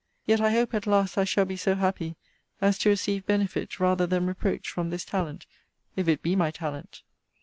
Yet I hope at last I shall be so happy as to receive benefit rather than reproach from this talent, if it be my talent.